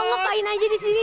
mau ngopain aja di sini